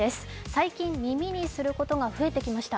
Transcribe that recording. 最近耳にすることが増えてきました。